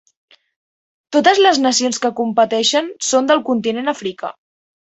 Totes les nacions que competeixen són del continent africà.